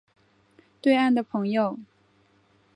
对岸的朋友